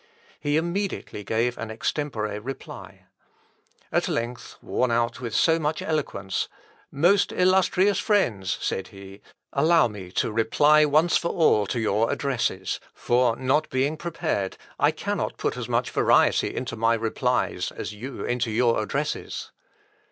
He immediately gave an extempore reply. At length, worn out with so much eloquence, "Most illustrious friends," said he, "allow me to reply once for all to your addresses; for not being prepared, I cannot put as much variety into my replies as you into your addresses."